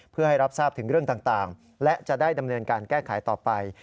เพื่อให้รับทราบถึงเรื่องต่างและจะได้ดำเนินการแก้ไขต่อไป